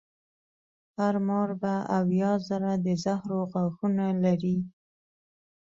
هر مار به اویا زره د زهرو غاښونه لري.